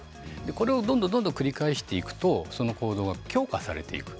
これをどんどん繰り返していくとその行動が強化されていく。